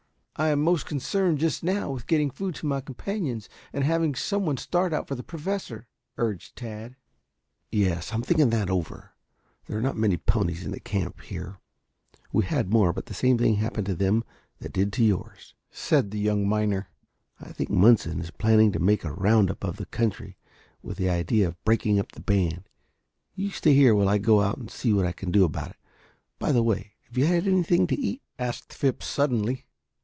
"I am most concerned just now with getting food to my companions and having some one start out for the Professor," urged Tad. "Yes, I'm thinking that over. There are not many ponies in camp here. We had more, but the same thing happened to them that did to yours," said the young miner. "I think Munson is planning to make a round up of the country with the idea of breaking up the band. You stay here while I go out and see what I can do about it. By the way, have you had anything to eat?" asked Phipps suddenly.